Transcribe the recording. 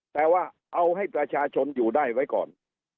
แต่ว่าเอาให้ประชาชนอยู่ได้ไว้ก่อน